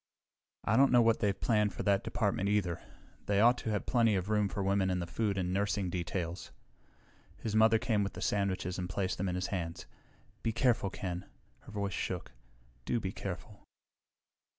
"I don't know what they've planned in that department, either. They ought to have plenty of room for women in the food and nursing details." His mother came with the sandwiches and placed them in his hands. "Be careful, Ken." Her voice shook. "Do be careful."